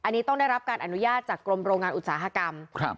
อันนี้ต้องได้รับการอนุญาตจากกรมโรงงานอุตสาหกรรมครับ